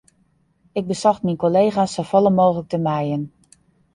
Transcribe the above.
Ik besocht myn kollega's safolle mooglik te mijen.